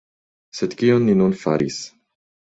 Sed kion ni nun faris?